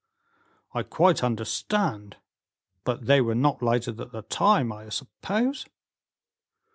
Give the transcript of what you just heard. "I quite understand, but they were not lighted at the time, I suppose?"